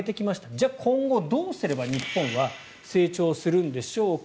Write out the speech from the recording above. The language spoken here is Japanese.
じゃあ、今後どうすれば日本は成長するんでしょうか。